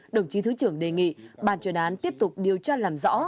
đồng chí thứ trưởng đề nghị bàn chuyển án tiếp tục điều tra làm rõ